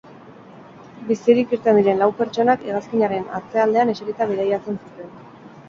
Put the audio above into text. Bizirik irten diren lau pertsonak hegazkinaren atzealdean eserita bidaiatzen zuten.